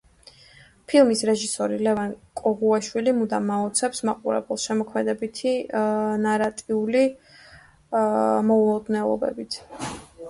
ფილმის რეჟისორი ლევან კოღუაშვილი მუდამ აოცებს მაყურებელს შემოქმედებითი ნარატიული მოულოდნელობებით.